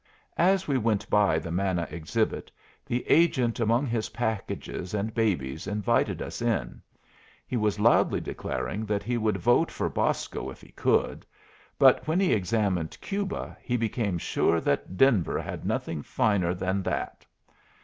As we went by the Manna Exhibit, the agent among his packages and babies invited us in. He was loudly declaring that he would vote for Bosco if he could. But when he examined Cuba, he became sure that Denver had nothing finer than that.